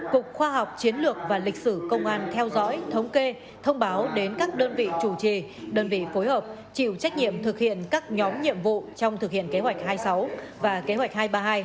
cục khoa học chiến lược và lịch sử công an theo dõi thống kê thông báo đến các đơn vị chủ trì đơn vị phối hợp chịu trách nhiệm thực hiện các nhóm nhiệm vụ trong thực hiện kế hoạch hai mươi sáu và kế hoạch hai trăm ba mươi hai